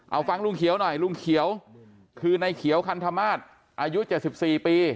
เอาฟังลุงเขียวหน่อยลุงเขียวคือในเขียวคันธมาศอายุ๗๔ปี